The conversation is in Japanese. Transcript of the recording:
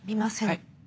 はい。